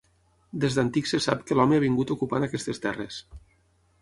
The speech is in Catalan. Des d'antic se sap que l'home ha vingut ocupant aquestes terres.